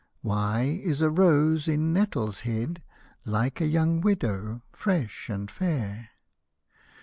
" Why is a rose in nettles hid " Like a young widow, fresh and fair